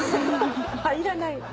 入らない。